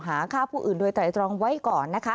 หาฆ่าผู้อื่นโดยไตรตรองไว้ก่อนนะคะ